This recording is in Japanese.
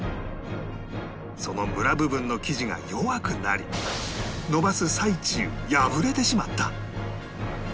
そのムラ部分の生地が弱くなりのばす最中破れてしまった